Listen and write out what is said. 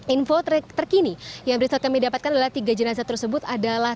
info terkini yang bisa kami dapatkan adalah tiga jenazah tersebut adalah